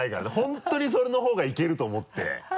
本当にそれの方がいけると思って。